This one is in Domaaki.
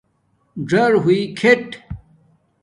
ڎری ہوئئ کِھیٹ